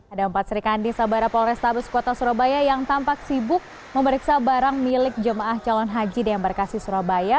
ada empat serikandi sabara polrestabes kota surabaya yang tampak sibuk memeriksa barang milik jemaah calon haji di embarkasi surabaya